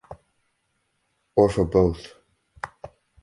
Or for both.